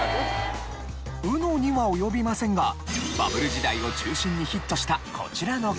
ＵＮＯには及びませんがバブル時代を中心にヒットしたこちらのカードゲーム。